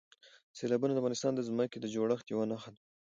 سیلابونه د افغانستان د ځمکې د جوړښت یوه نښه ده.